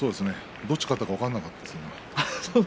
どちらが勝ったか分からなかったですね。